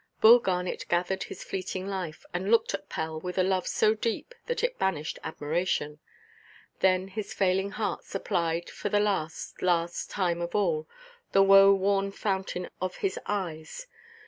Bull Garnet gathered his fleeting life, and looked at Pell with a love so deep that it banished admiration. Then his failing heart supplied, for the last, last time of all, the woe–worn fountain of his eyes.